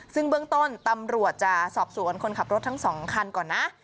ซึ่งเบื้องต้นตำรวจจะสอบสวนคนขับรถทั้ง๒คันก่อนนะ